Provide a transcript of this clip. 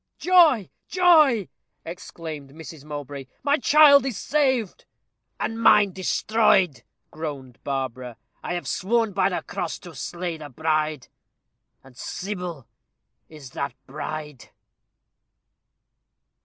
"Joy! joy!" exclaimed Mrs. Mowbray: "my child is saved." "And mine destroyed," groaned Barbara. "I have sworn by the cross to slay the bride and Sybil is that bride."